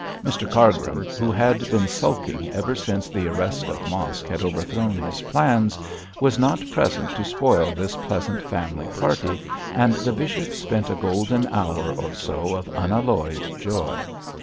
Mr Cargrim, who had been sulking ever since the arrest of Mosk had overthrown his plans, was not present to spoil this pleasant family party, and the bishop spent a golden hour or so of unalloyed joy.